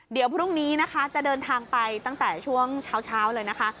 เดี๋ยวพรุ่งนี้นะคะจะเดินทางไปตั้งแต่ช่วงเช้าเลยนะคะ